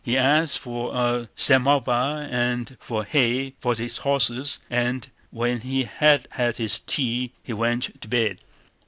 He asked for a samovar and for hay for his horses, and when he had had his tea he went to bed.